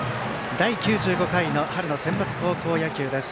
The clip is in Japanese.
第９５回の春のセンバツ高校野球です。